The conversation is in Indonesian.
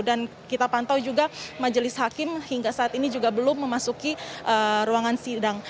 dan kita pantau juga majelis hakim hingga saat ini juga belum memasuki ruangan sidang